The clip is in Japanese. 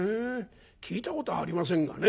聞いたことありませんがね。